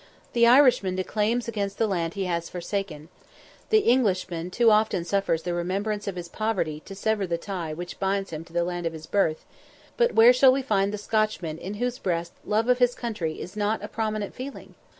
The Irishman declaims against the land he has forsaken the Englishman too often suffers the remembrance of his poverty to sever the tie which binds him to the land of his birth but where shall we find the Scotchman in whose breast love of his country is not a prominent feeling?